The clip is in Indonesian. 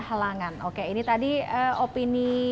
halangan oke ini tadi opini